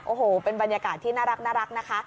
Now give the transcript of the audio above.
โอ้โหเป็นบรรยากาศที่น่ารักนะคะ